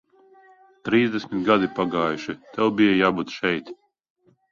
Trīsdesmit gadi pagājuši, tev bija jābūt šeit.